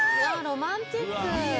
ロマンチック！